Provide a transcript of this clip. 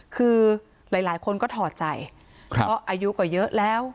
คือหลายคนก็ถอดใจเพราะอายุก็เยอะแล้ว